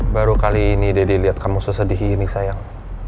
baru kali ini dedi liat kamu sesedih ini sayang